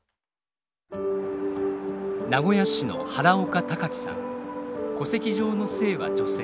名古屋市の戸籍上の性は女性。